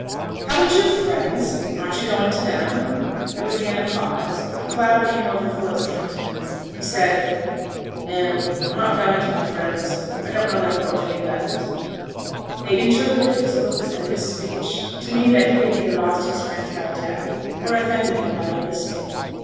'Haven't you friends? Aren't you going to them?' There was again a pause; a cloud came over Philip's countenance. He said, 'No! I'm not going to my friends. I don't know that I've got any left.' They interpreted his looks and this speech to mean that he had either lost his friends by death, or offended them by enlisting.